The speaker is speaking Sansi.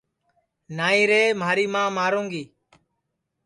نائی رے مھاری ماں ماروں گی